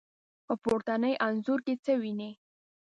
په پورتني انځور کې څه وينئ؟